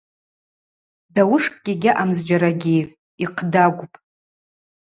Дауышкӏгьи гьаъам зджьарагьи, йхъдагвпӏ.